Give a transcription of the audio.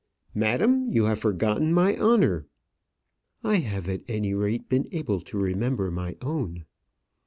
"Madam, you have forgotten my honour." "I have at any rate been able to remember my own."